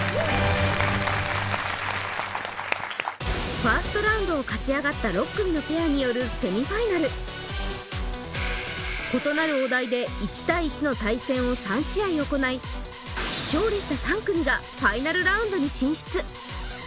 ファーストラウンドを勝ち上がった異なるお題で１対１の対戦を３試合行い勝利した３組がファイナルラウンドに進出